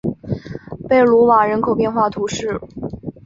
贝卢瓦人口变化图示